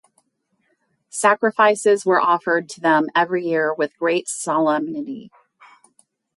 Sacrifices were offered to them every year with great solemnity.